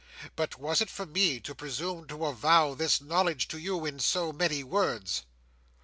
But was it for me to presume to avow this knowledge to you in so many words?"